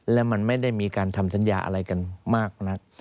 และมันไม่ได้มีการทำสัญญาอะไรกันมากนัก